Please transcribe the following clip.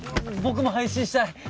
僕も配信したい！